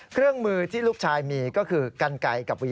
เครื่องมือที่ลูกชายมีก็คือกันไก่กับวี